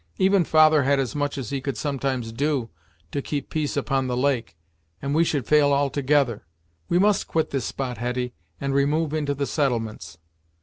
Even father had as much as he could sometimes do, to keep peace upon the lake, and we should fail altogether. We must quit this spot, Hetty, and remove into the settlements."